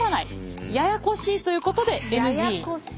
ややこしいということでＮＧ。